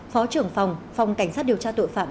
phó trưởng phòng phòng cảnh sát điều tra tội phạm